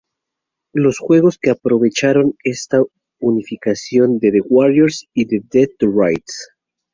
Los juegos que aprovecharon esta unificación son The Warriors y Dead to Rights.